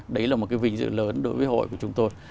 đấy là một cái vinh dự lớn đối với hội của chúng tôi